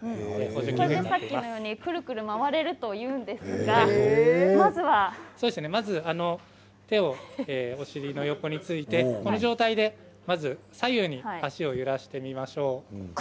これでさっきのようにくるくると回るように手をお尻の横についてこの状態で左右に足を揺らしてみましょう。